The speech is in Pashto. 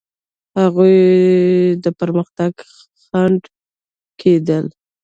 هغوی د پرمختګ خنډ کېدل.